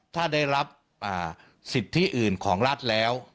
ถ้าได้รับสิทธิอื่นของรัฐแล้ว